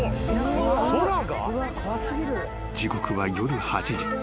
［時刻は夜８時］